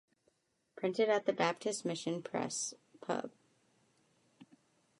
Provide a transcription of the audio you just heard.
Printed at the Baptist mission press, Pub.